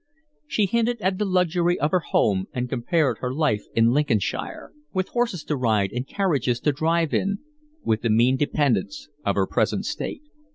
She hinted at the luxury of her home and compared her life in Lincolnshire, with horses to ride and carriages to drive in, with the mean dependence of her present state.